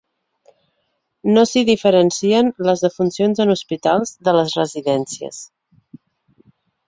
No s’hi diferencien les defuncions en hospitals de les residències.